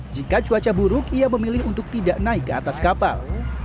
jika cuaca buruk ia memilih untuk tidak naik ke atas kapal